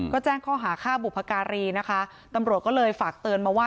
ก็แจ้งข้อหาฆ่าบุพการีนะคะตำรวจก็เลยฝากเตือนมาว่า